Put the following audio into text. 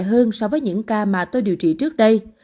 hơn so với những ca mà tôi điều trị trước đây